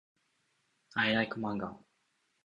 I like manga.